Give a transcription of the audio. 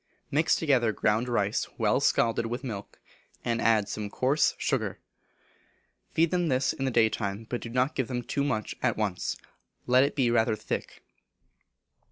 Mix together ground rice well scalded with milk, and add some coarse sugar. Feed them with this in the daytime, but do not give them too much at once; let it be rather thick.